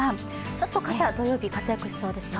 ちょっと傘、土曜日活躍しそうですね。